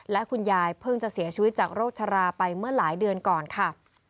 และคุณยายเพิ่งจะเสียชีวิตจากโรคชราไปเมื่อหลายเดือนก่อนค่ะ